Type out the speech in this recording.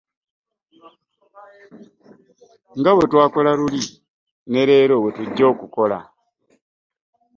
Nga bwe twakola luli ne leero bwe tujja okukola.